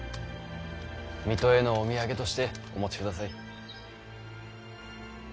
水戸へのお土産としてお持ちください。